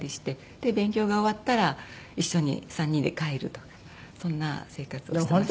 で勉強が終わったら一緒に３人で帰るとかそんな生活をしてました。